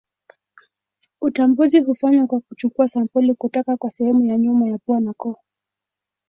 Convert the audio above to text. Utambuzi hufanywa kwa kuchukua sampuli kutoka kwa sehemu ya nyuma ya pua na koo.